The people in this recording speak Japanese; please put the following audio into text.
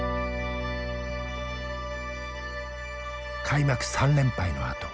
開幕３連敗のあと。